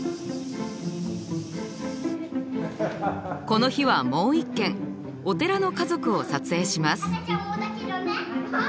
この日はもう一件お寺の家族を撮影します。